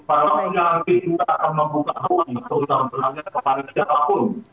para wakil yang nanti juga akan membuka ruang seutarnya kepala siapapun